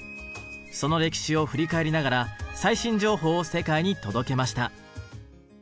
その歴史を振り返りながら最新情報を世界に届けました。